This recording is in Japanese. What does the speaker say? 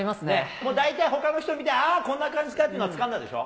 もう大体ほかの人見て、ああ、こんな感じかっていうのはつかんだでしょう。